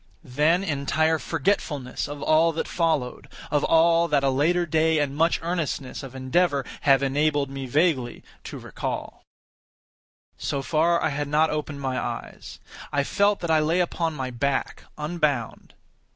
Then entire forgetfulness of all that followed; of all that a later day and much earnestness of endeavor have enabled me vaguely to recall. So far, I had not opened my eyes. I felt that I lay upon my back, unbound.